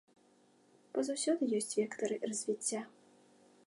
Бо заўсёды ёсць вектары развіцця.